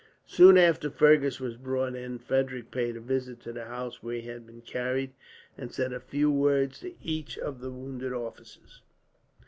Soon after Fergus was brought in, Frederick paid a visit to the house where he had been carried, and said a few words to each of the wounded officers.